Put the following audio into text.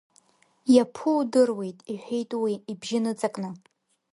Иаԥу удыруеит, — иҳәеит уи, ибжьы ныҵакны.